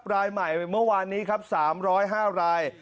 รายใหม่เมื่อวานนี้ครับ๓๐๕ราย